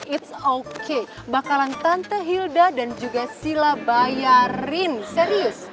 it's okay bakalan tante hilda dan juga sila bayarin serius